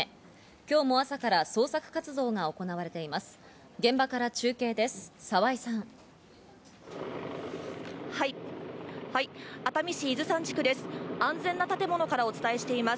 今日も朝から捜索活動が行われています。